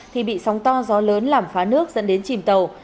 thì bị sóng to gió lớn làm phá nước dẫn đến chìm tàu